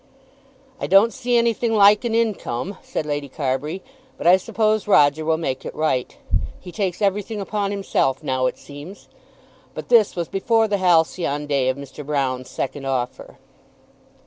"I don't see anything like an income," said Lady Carbury; "but I suppose Roger will make it right. He takes everything upon himself now it seems." But this was before the halcyon day of Mr. Broune's second offer.